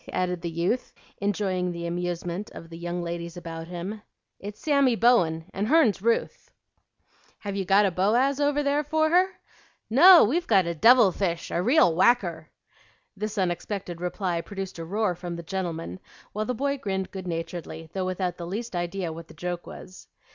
added the youth, enjoying the amusement of the young ladies about him. "It's Sammy Bowen, and hern's Ruth." "Have you got a Boaz over there for her?" "No, we've got a devil fish, a real whacker." This unexpected reply produced a roar from the gentlemen, while the boy grinned good naturedly, though without the least idea what the joke was.